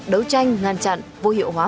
đấu tranh ngăn chặn vô hiệu hóa